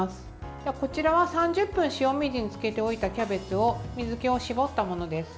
こちらは３０分塩水につけておいたキャベツを水けを絞ったものです。